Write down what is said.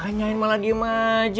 woi ditanyain malah dia mah aja